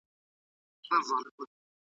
ما تیره میاشت په خپل پټي کې د بانجانو تخم کرلی و.